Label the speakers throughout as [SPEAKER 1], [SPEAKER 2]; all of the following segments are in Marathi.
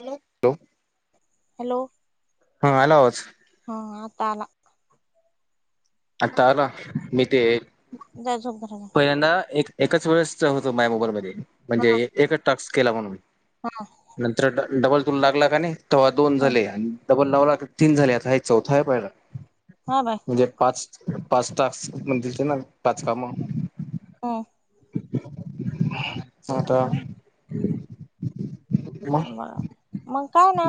[SPEAKER 1] हॅो हॅलो.
[SPEAKER 2] हॅलो
[SPEAKER 1] हा आला आवाज
[SPEAKER 2] हा आताला
[SPEAKER 1] आताला मी ते
[SPEAKER 2] जय झबधरा
[SPEAKER 1] पहिल्यांदा एक एककाच वेळेस होत माझ मोबाईल मध्ये म्हणजे एकच टास्क केला म्हणून म
[SPEAKER 2] हा.
[SPEAKER 1] नंतर डबल तुून लागला का नाही तेव्हा दोन
[SPEAKER 2] ह
[SPEAKER 1] झाले. ल नऊ लाख तीन झाले आता हे चौथा आहे पहिला
[SPEAKER 2] हा बाय
[SPEAKER 1] म्हणजे पाच पाच टास म्हण दिचे ना पाच काम
[SPEAKER 2] हो
[SPEAKER 1] हता
[SPEAKER 2] मग काय ना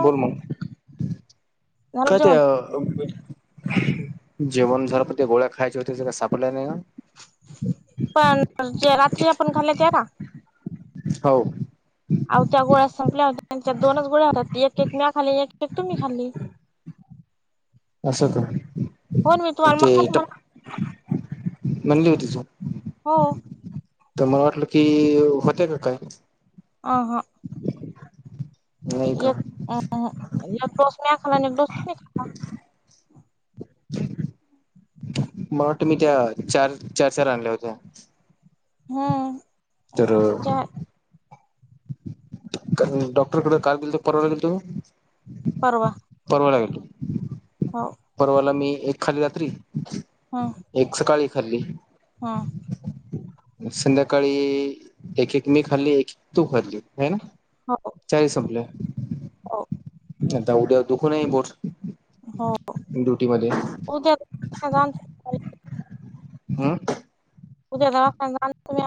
[SPEAKER 1] काय
[SPEAKER 2] जेवण
[SPEAKER 1] ते जेवण झाराण गोळ्या खायच्या होते का सापडल्या नाही का
[SPEAKER 2] पण जे रात्री आपण घाल्लायचेरा
[SPEAKER 1] हो
[SPEAKER 2] अव त्या गोळ्या संपल्या होत त्या दोनच गोळ्या होतात एक एक म्या खाली एक एक तुम्ही खाल्ली
[SPEAKER 1] असं
[SPEAKER 2] हो मी
[SPEAKER 1] का
[SPEAKER 2] तुम्हाला
[SPEAKER 1] ते
[SPEAKER 2] मलाच म्हणा
[SPEAKER 1] म्हणली होती तू
[SPEAKER 2] हो
[SPEAKER 1] तर मला वाटलं की होते का काय
[SPEAKER 2] अ हा
[SPEAKER 1] नाही का
[SPEAKER 2] एकदोस मी खाला एकडोस तो म खाला
[SPEAKER 1] मग वा तम मी त्या चार चार चार आणल्या होत्या
[SPEAKER 2] हम
[SPEAKER 1] तर डॉक्टर कडे का बिलतो परवाला ब तो
[SPEAKER 2] परवा हो
[SPEAKER 1] परवाला मी एक खाली रात्री
[SPEAKER 2] हम्म
[SPEAKER 1] एक सकाळी खाल्ली
[SPEAKER 2] हम्म
[SPEAKER 1] संध्याकाळी एक एक मी खाल्ली एक एक तू खाल्ली आहे ना
[SPEAKER 2] हो
[SPEAKER 1] चचाईसपले
[SPEAKER 2] हो
[SPEAKER 1] ता उढ्या दुख नाही बोर
[SPEAKER 2] हो उद्या जा तुम्ही
[SPEAKER 1] हम्म
[SPEAKER 2] उद्या म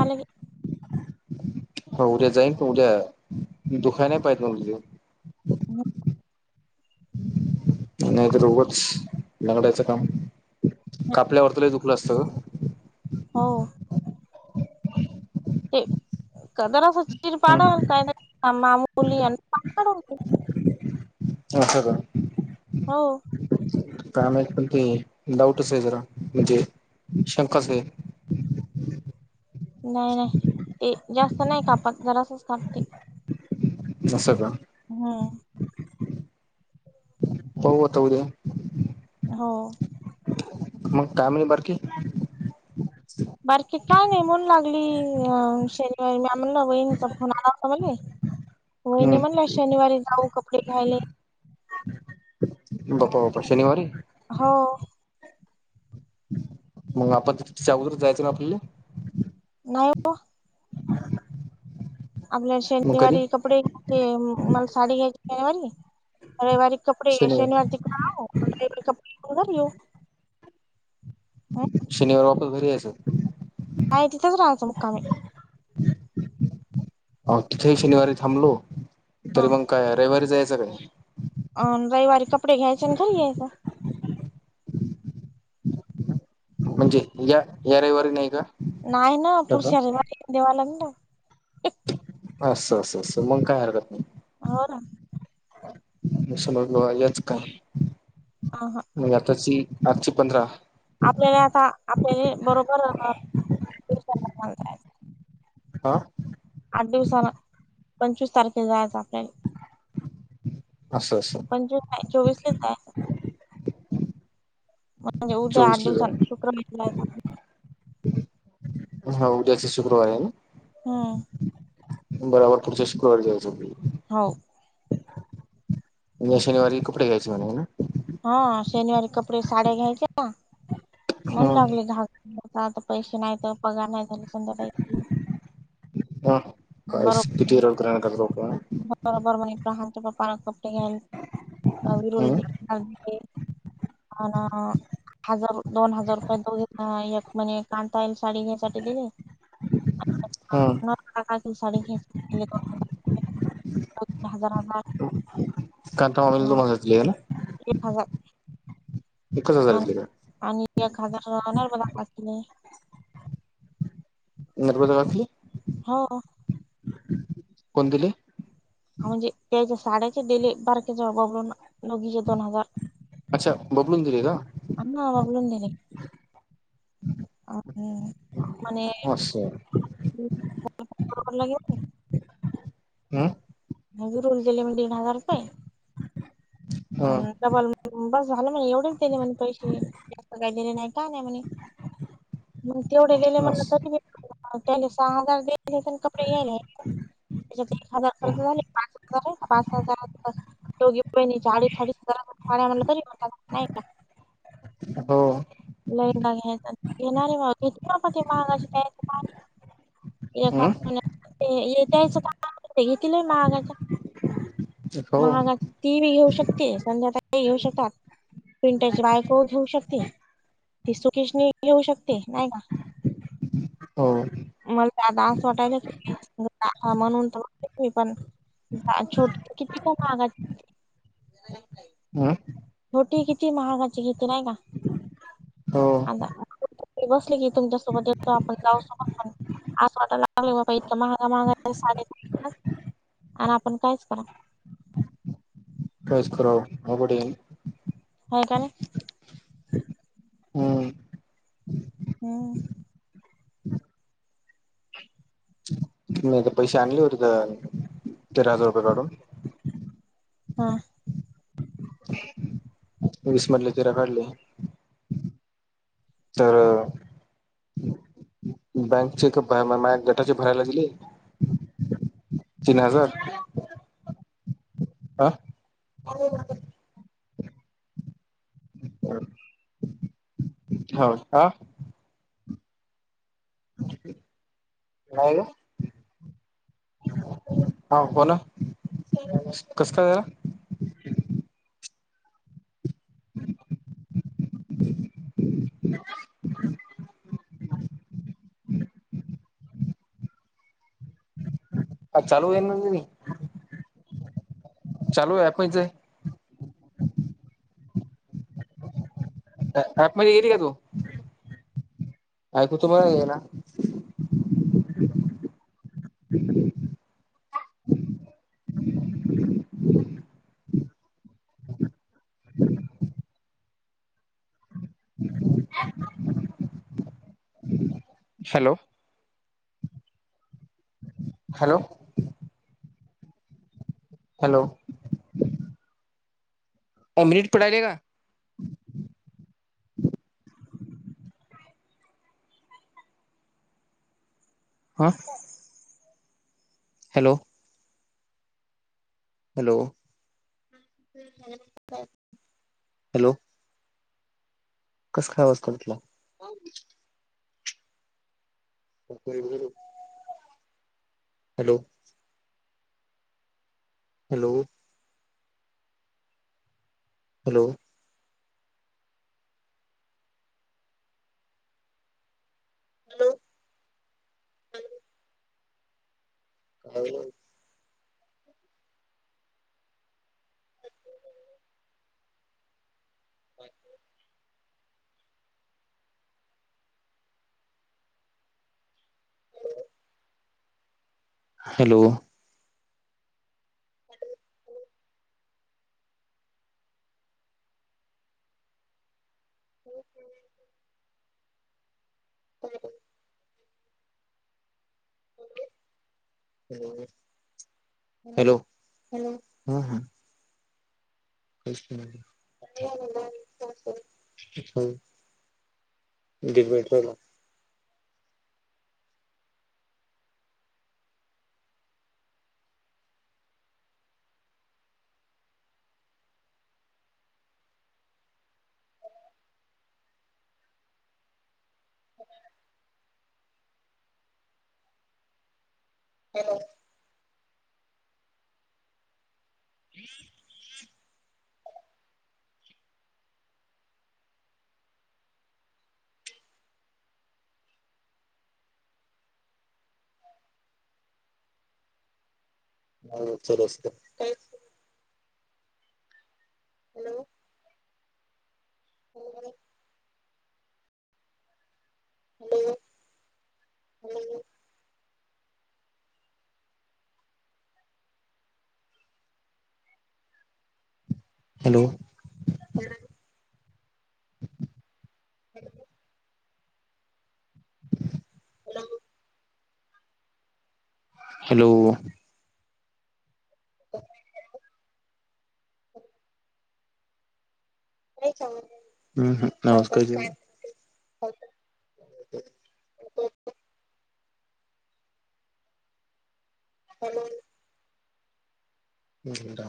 [SPEAKER 2] आलं क
[SPEAKER 1] [inaudible] होा उद्या जाईन प उद्या दुखाय नाही पाहत म ते
[SPEAKER 2] ह
[SPEAKER 1] नाही तर रोगंच लकडायचं काम कापल्यावरतला दुखलं असतं ग
[SPEAKER 2] हो ते कदर अस चिर पाडाल
[SPEAKER 1] हम्म
[SPEAKER 2] काय नाही मामली
[SPEAKER 1] अच्छा का
[SPEAKER 2] हो
[SPEAKER 1] काय माहीत पण ते डाऊटच आहे जरा म्हणजे शंकाच आहे.
[SPEAKER 2] नाही नाही ते जास्त नाही कापत जरासच कापते.
[SPEAKER 1] [unintelligible] का
[SPEAKER 2] हुं.
[SPEAKER 1] पाहू आता उद्या
[SPEAKER 2] हो
[SPEAKER 1] मग [unintelligible] बारकी
[SPEAKER 2] बारकी टाग आहे म्हण लागली शनिवारी म म्हणला बहीनचा फोन आला होता म्हणे.
[SPEAKER 1] हम
[SPEAKER 2] वहिणी म्हणला शनिवारी जाऊ कपडे घ्यायले.
[SPEAKER 1] बापा बापा शनिवारी
[SPEAKER 2] हो.
[SPEAKER 1] मग आपण तिच्या आगोदराच जायचं ना आपल्याला
[SPEAKER 2] नाही
[SPEAKER 1] [inaudible]
[SPEAKER 2] आपल्या
[SPEAKER 1] मग कधी
[SPEAKER 2] शनिवारी कपडे घ मला साडी घ्याय शनिवारी रविवारी कपडे
[SPEAKER 1] शनिवार
[SPEAKER 2] शनिवारची [unintelligible] कपडे घेऊ.
[SPEAKER 1] शनिवार वापस घरी यायचं.
[SPEAKER 2] हाय तिथच राहायचं मुक्कामी.
[SPEAKER 1] हो तिथेही शनिवारी थांबलो
[SPEAKER 2] हा
[SPEAKER 1] तरी मग काय रविवारी जायचं काय?
[SPEAKER 2] अ रविवारी कपडे घ्यायचे आणि घरी यायच.
[SPEAKER 1] म्हणजे या या रविवारी नाही का?
[SPEAKER 2] नाही ना
[SPEAKER 1] असं
[SPEAKER 2] पुढाच्या रईवारी देवाला [unintelligible] ना.
[SPEAKER 1] असं असं असं मग काय हारकत नाही.
[SPEAKER 2] हो ना.
[SPEAKER 1] सोमवारी बघायचं यायच काय?
[SPEAKER 2] हा, हा
[SPEAKER 1] म आताची आजची पंधरा
[SPEAKER 2] आपल्याला आता आपल्या बरोबर [unintelligible]
[SPEAKER 1] हा
[SPEAKER 2] आठ दिवसान पंचवीस तारखे जायचं आपल्याले
[SPEAKER 1] अस, अस
[SPEAKER 2] [unintelligible] पंचवीस नाही चोवीसलाच जायचं. म्हणजे उद्या आठ
[SPEAKER 1] चोवीसला
[SPEAKER 2] दिवसान
[SPEAKER 1] जाऊ
[SPEAKER 2] शुक्र [unintelligible]
[SPEAKER 1] हा उद्याच शुक्रवारी आहे ना?
[SPEAKER 2] हम्
[SPEAKER 1] बराबर पुढच्या शुक्रवारी जायच
[SPEAKER 2] हो
[SPEAKER 1] म्हणजे शनिवारी कपडे घ्यायचे म्हणे ना
[SPEAKER 2] हा शनिवारी कपडेे, साडया घ्यायच्या ना म्हनू लागले
[SPEAKER 1] हम्म
[SPEAKER 2] [unintelligible] आता पैसे नाहीत. बघा नाही झाल संध्याकाळी
[SPEAKER 1] हा
[SPEAKER 2] [unintelligible]
[SPEAKER 1] काय
[SPEAKER 2] बरोब
[SPEAKER 1] [unintelligible]
[SPEAKER 2] बरोबर म्हणे प्रहानच्या पप्पाना कपडे घ्याय नवी रुल्बी हा ना हाजार दोन हाजार रुपये दोघे [unintelligible] म्हणे कांताआईला साडी घ्यायसाठी दिले. [unintelligible] साडी दोन हजार दोघी
[SPEAKER 1] काता
[SPEAKER 2] हजार हजार
[SPEAKER 1] मामीला [unintelligible] घ्यायला.
[SPEAKER 2] एक हजार
[SPEAKER 1] एकच हजार
[SPEAKER 2] अन
[SPEAKER 1] दिले का?
[SPEAKER 2] आणि एक हजार राहणार बला नाही
[SPEAKER 1] निर्बद काखली.
[SPEAKER 2] हो
[SPEAKER 1] कोण दिले?
[SPEAKER 2] म्हणजे त्याच्या साड्याचे डेले बारकेच्या घबरून लगीचे दोन हजार
[SPEAKER 1] अच्छा बबलून दिले का
[SPEAKER 2] अमा वागळून देले. अ म्हणे
[SPEAKER 1] असं
[SPEAKER 2] बर लाग
[SPEAKER 1] हम्म
[SPEAKER 2] रल दिले म्ह मी दड हजार रुपये.
[SPEAKER 1] [inaudible]
[SPEAKER 2] [unintelligible]
[SPEAKER 1] हम्म
[SPEAKER 2] बस झालं म्हणे एवढेच दिणे म्हणे पैसे जास्त काय दिले नाही का नाही म्हणे मग तेवढे गेले म्हनल
[SPEAKER 1] असं
[SPEAKER 2] तरी बी त्याने सहा हजार दिले पण कपडे घ्यायला त्याच्यात एक हजार खर्च झाले. पाच हजार आहे पाच हजारात दोघी बहिनीच्या आडी सा सातार पाण्या आमला तरी हो नाही का?
[SPEAKER 1] हो
[SPEAKER 2] हंगा घ्यायचा घेणारे बा घेत प ते महागाचीय. ए खास
[SPEAKER 1] हम्म
[SPEAKER 2] य त्यायच का घय महागाच्या
[SPEAKER 1] हो
[SPEAKER 2] महागाची ती बी घेऊ शकते ते संध्याकाळी घेऊ शकतात पंटाची बायको घेऊ शकते तेी सुखेश येऊ शकते नाही का
[SPEAKER 1] हो
[SPEAKER 2] मला ददा अस वाटायला म्हणून पण छोट किती का महागा नाही
[SPEAKER 1] हम्
[SPEAKER 2] छोटी किती महागाची खेती नाही का
[SPEAKER 1] हो
[SPEAKER 2] बसली की तुमच्यासोबत येतो आपण जाऊ शकत पण पास वाटाला लागले बाबा इतका महागा महागा सा आणि आपण कायच करा
[SPEAKER 1] प्रयस्कररा मब
[SPEAKER 2] हो काण
[SPEAKER 1] हम्म
[SPEAKER 2] हम्
[SPEAKER 1] नाही तर पैसे आणले होर तेरा हजार रुपये काढून
[SPEAKER 2] हा
[SPEAKER 1] वीस मधले तिरा काढली तर बँकचे डेटा भरायला दिेली तीन हजार ह हम हो ह हो हा कोण कस कारा अ लू आहे न चालू आहे पणच आप मध्ये येरी का तू ऐकू तु मला गला हॅलो हॅलो हॅलो अ मिरीट पडाले का? हा हॅलो! हॅलो! हॅलो! कसं खावसं वाटतं तुला? [unintelligible] [inaudible] [unintelligible] Hello! Hello! Hello! Hello! Hello! हो हो हॅलो हो ब हॅलो हम हम कष हो ढीगभर पडलाय [unintelligible] [inaudible] हॅलो! हम् ह ह चल अस असतं हॅलो! हॅलो बोला hello! Hello! Hello! Hello! Hello! [unintelligible] हम्म हम्म नमस्कार जी हॅलो! एक मिनिट थांबा.